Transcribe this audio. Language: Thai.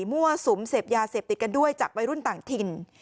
มั่วสุมเสพยาเสพติดกันด้วยจากวัยรุ่นต่างถิ่น